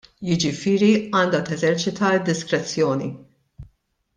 Jiġifieri għandha teżerċita d-diskrezzjoni.